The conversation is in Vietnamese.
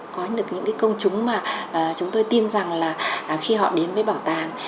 có những công chúng mà chúng tôi tin rằng là khi họ đến với bảo tàng